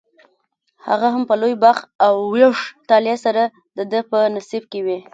هغه هم په لوی بخت او ویښ طالع سره دده په نصیب کې وي.